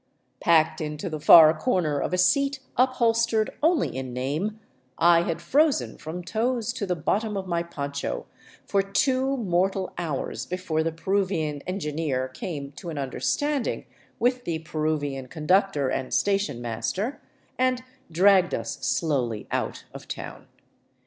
Packed into the far corner of a seat upholstered only in name, I had frozen from toes to the bottom of my poncho for two mortal hours before the Peruvian engineer came to an under standing with the Peruvian conductor and station master, and dragged us slowly out of town.